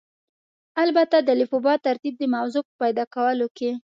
البته د الفبا ترتیب د موضوع په پیدا کولو کې.